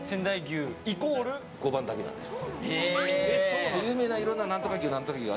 ５番だけなんです。